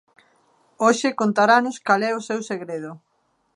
Hoxe contaranos cal é o seu segredo.